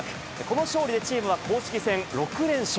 この勝利でチームは公式戦６連勝。